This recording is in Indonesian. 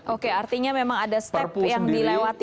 oke artinya memang ada step yang dilewati